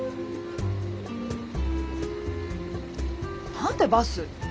何でバス？